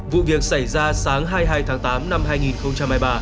vụ việc xảy ra sáng hai mươi hai tháng tám năm hai nghìn hai mươi ba